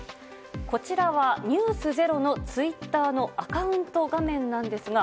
こちらは「ｎｅｗｓｚｅｒｏ」のツイッターのアカウント画面です。